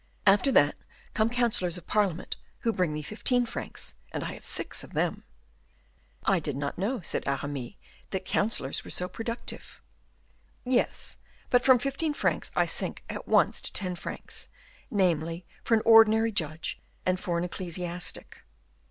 After that, come councilors of parliament, who bring me fifteen francs, and I have six of them." "I did not know," said Aramis, "that councilors were so productive." "Yes; but from fifteen francs I sink at once to ten francs; namely, for an ordinary judge, and for an ecclesiastic."